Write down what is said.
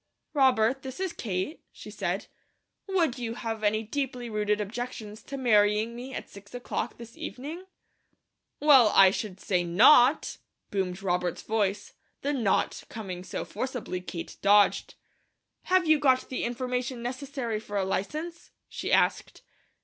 "Robert, this is Kate," she said. "Would you have any deeply rooted objections to marrying me at six o'clock this evening?" "Well, I should say not!" boomed Robert's voice, the "not" coming so forcibly Kate dodged. "Have you got the information necessary for a license?" she asked.